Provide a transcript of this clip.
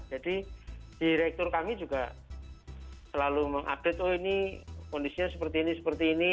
jadi direktur kami juga selalu mengupdate oh ini kondisinya seperti ini seperti ini